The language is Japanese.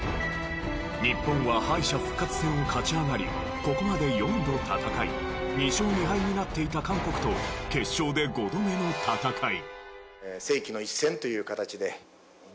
日本は敗者復活戦を勝ち上がりここまで４度戦い２勝２敗になっていた韓国と決勝で５度目の戦い。